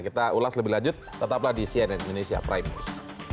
kita ulas lebih lanjut tetaplah di cnn indonesia prime news